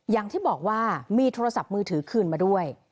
อย่างที่บอกว่ามีโทรศัพท์มือถือคืนมาด้วย